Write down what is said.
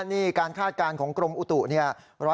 นี่การคาดการณ์ของกรมอุตุเนี่ย